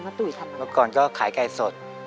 เมื่อก่อนก็ขายไก่สด